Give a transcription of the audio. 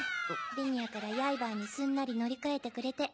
リニアからヤイバーにすんなり乗り換えてくれて。